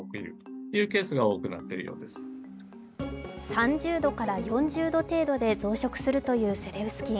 ３０度から４０度程度で増殖するというセレウス菌。